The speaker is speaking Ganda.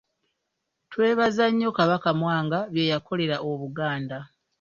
Twebaza nnyo Kabaka Mwanga bye yakolera Obuganda.